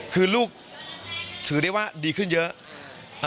คือลูกถือได้ว่าดีขึ้นเยอะ